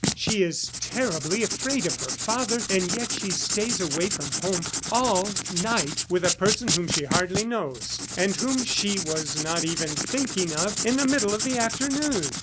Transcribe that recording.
She is terribly afraid of her father, and yet she stays away from home all night with a person whom she hardly knows, and whom she was not even thinking of in the middle of the afternoon!